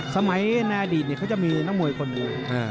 ในอดีตเขาจะมีนักมวยคนหนึ่ง